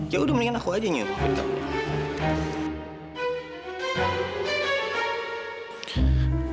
ya udah mendingan aku aja nyob